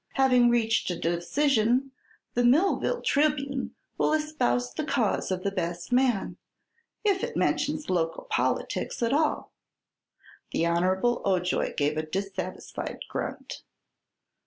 Having reached a decision, the Millville Tribune will espouse the cause of the best man if it mentions local politics at all." The Hon. Ojoy gave a dissatisfied grunt.